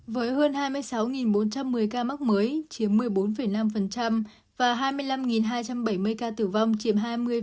với hơn hai mươi sáu bốn trăm một mươi ca mắc mới chiếm một mươi bốn năm và hai mươi năm hai trăm bảy mươi ca tử vong chiếm hai mươi ba